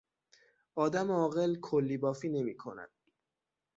آدم عاقل کلیبافی نمیکند.